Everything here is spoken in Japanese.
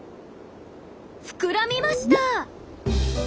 膨らみました！